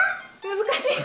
難しいか。